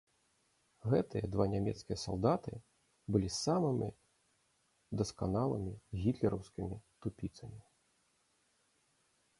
Гэтыя два нямецкія салдаты былі самымі дасканалымі гітлераўскімі тупіцамі.